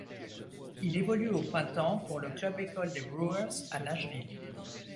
Il évolue au printemps pour le club-école des Brewers à Nashville.